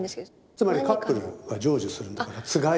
つまりカップルは成就するんだからつがい。